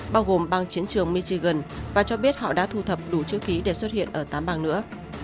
bao gồm bang chiến trường michigan và cho biết họ đã thu thập đủ chữ ký để xuất hiện ở tám bang nữa